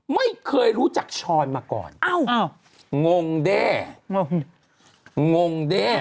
ไม่เคยรู้จักชอนมาก่อนอ้าวงงด้างงงงด้า